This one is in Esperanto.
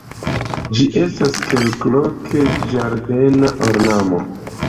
Ĝi estas kelkloke ĝardena ornamo.